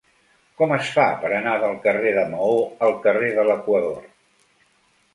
Com es fa per anar del carrer de Maó al carrer de l'Equador?